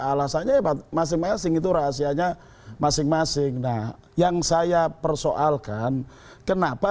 alasannya hebat masing masing itu rahasianya masing masing nah yang saya persoalkan kenapa